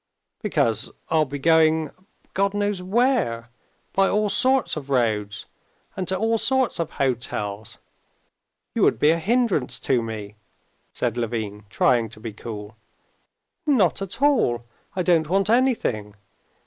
"Because it'll be going God knows where, by all sorts of roads and to all sorts of hotels. You would be a hindrance to me," said Levin, trying to be cool. "Not at all. I don't want anything.